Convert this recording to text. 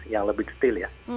yang lebih detail ya